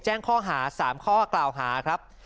แจ้งข้อหา๓ข้อกล่าวหาครับ